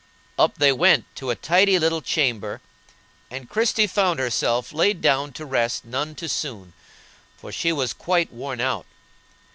Up they went to a tidy little chamber, and Christie found herself laid down to rest none too soon, for she was quite worn out.